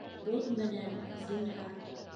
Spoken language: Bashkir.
Боҙ менән, зинһар